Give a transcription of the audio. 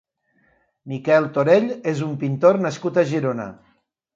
Miquel Torell és un pintor nascut a Girona.